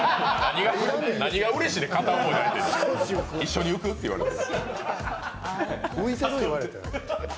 何がうれしいねん、片思いの相手に一緒に浮くって言われて。